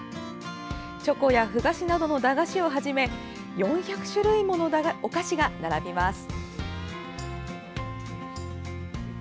チョコや、ふ菓子などの駄菓子をはじめ４００種類ものお菓子が並びます。